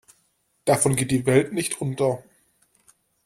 Davon geht die Welt nicht unter.